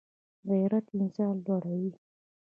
غیرت انسان لوړوي